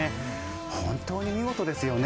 本当に見事ですよね。